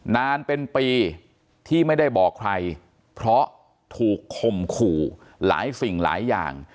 นานเป็นปีที่ไม่ได้บอกใครเพราะถูกข่มขู่หลายสิ่งหลายอย่าง